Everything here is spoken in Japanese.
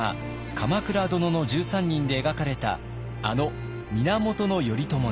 「鎌倉殿の１３人」で描かれたあの源頼朝です。